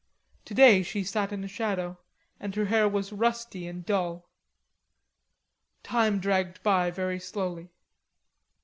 Today she sat in shadow, and her hair was rusty and dull. Time dragged by very slowly.